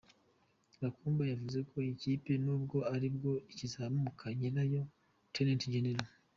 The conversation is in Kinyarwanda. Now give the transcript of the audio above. Gakumba yavuze ko iyi kipe nubwo aribwo ikizamuka, nyirayo Rtd Gen.